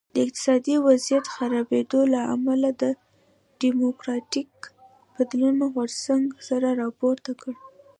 د اقتصادي وضعیت خرابېدو له امله د ډیموکراټیک بدلون غورځنګ سر راپورته کړ.